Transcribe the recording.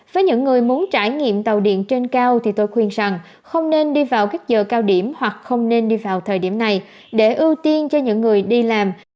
với những người muốn trải nghiệm tàu điện trên cao thì tôi khuyên rằng không nên đi vào các giờ cao điểm hoặc không nên đi vào thời điểm này để ưu tiên cho những người đi làm